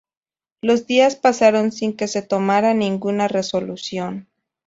Los días pasaron sin que se tomara ninguna resolución.